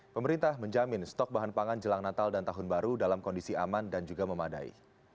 pemerintah menjamin stok bahan pangan jelang natal dan tahun baru dalam kondisi aman dan juga memadai